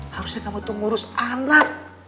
harusnya kamu tuh ngurus anak